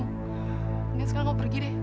mungkin sekarang kamu pergi deh